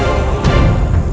aku harus jadi manusia lagi